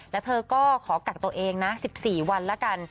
แล้วเธอก็ขอกักตัวเองนะ๑๔วันแล้วกัน